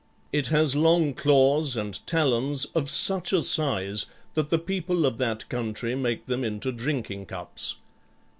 It has long claws and talons of such a size that the people of that country make them into drinking cups.